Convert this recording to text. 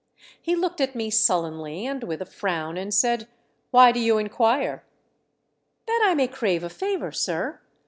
He looked at me sullenly and with a frown, and said ." Why do you inquire ?"" That I may crave a favour, sir.